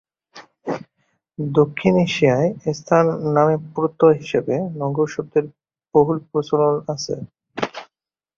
দক্ষিণ এশিয়ায় স্থান-নামে প্রত্যয় হিসেবে নগর শব্দের বহুল প্রচলন আছে।